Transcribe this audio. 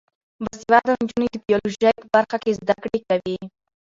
باسواده نجونې د بیولوژي په برخه کې زده کړې کوي.